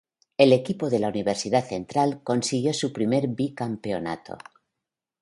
El equipo de la Universidad Central consiguió su primer bicampeonato.